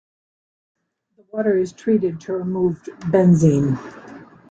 The water is treated to remove benzene.